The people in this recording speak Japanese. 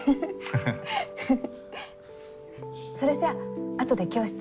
それじゃあとで教室で。